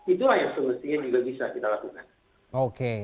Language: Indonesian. itulah yang semestinya juga diperlukan